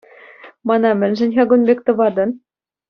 Мана мӗншӗн-ха кун пек тӑватӑн?